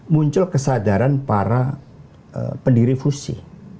muncul kesadaran para pendiri fusi